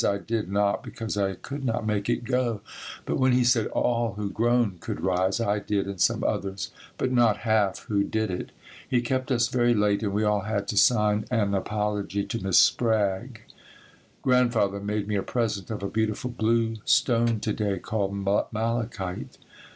I did not, because I could not make it go, but when he said all who groaned could rise, I did, and some others, but not half who did it. He kept us very late and we all had to sign an apology to Miss Sprague. Grandfather made me a present of a beautiful blue stone to day called Malachite.